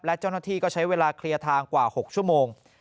และเจ้าหน้าที่ก็ใช้เวลาเคลียร์ทางกว่า๖ชั่วโมง